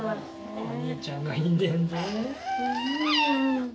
お兄ちゃんがいんねんで。